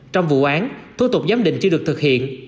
trong vụ án thủ tục giám định chưa được thực hiện